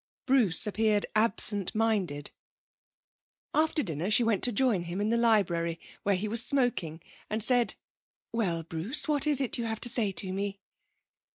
Bruce appeared absent minded. After dinner she went to join him in the library, where he was smoking, and said: 'Well, Bruce, what is it you have to say to me?'